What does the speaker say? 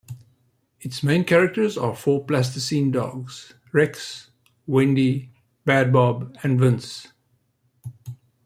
Its main characters are four plasticine dogs: Rex, Wendy, Bad Bob and Vince.